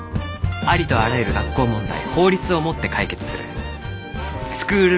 ありとあらゆる学校問題法律をもって解決するスクール